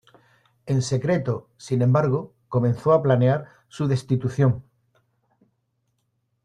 En secreto, sin embargo, comenzó a planear su destitución.